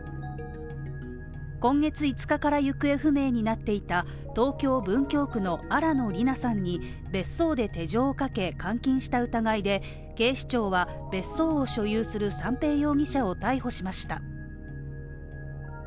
今月５日から行方不明になっていた東京・文京区の新野りなさんに別荘で手錠をかけ、監禁した疑いで、警視庁は別荘を所有する三瓶容疑者を逮捕しました。